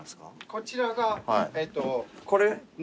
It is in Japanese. こちらが。